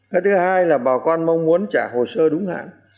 cái thứ hai là bà con mong muốn trả hồ sơ đúng hạn